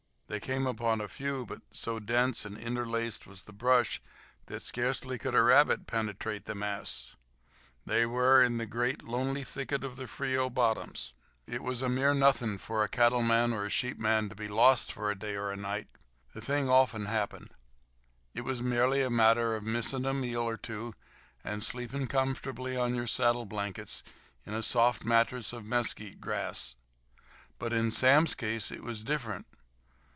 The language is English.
They came upon a few, but so dense and interlaced was the brush that scarcely could a rabbit penetrate the mass. They were in the great, lonely thicket of the Frio bottoms. It was a mere nothing for a cattleman or a sheepman to be lost for a day or a night. The thing often happened. It was merely a matter of missing a meal or two and sleeping comfortably on your saddle blankets on a soft mattress of mesquite grass. But in Sam's case it was different.